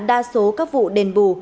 đa số các vụ đền bù